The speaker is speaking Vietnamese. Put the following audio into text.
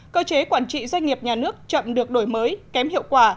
cơ chế quản trị doanh nghiệp nhà nước chậm được đổi mới kém hiệu quả